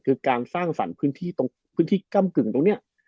คือการสร้างสรรค์พื้นที่กำกึ่งตรงนี้